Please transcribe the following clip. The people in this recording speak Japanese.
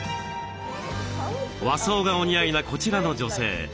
和装がお似合いなこちらの女性。